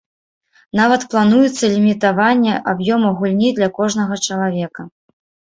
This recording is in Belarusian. Нават плануецца лімітаванне аб'ёма гульні для кожнага чалавека.